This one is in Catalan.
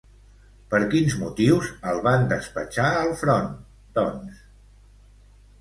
Per quins motius el van despatxar al front, doncs?